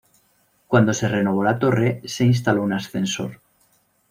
Cuando se renovó la torre, se instaló un ascensor.